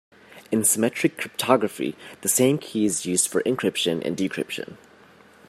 In symmetric cryptography the same key is used for encryption and decryption.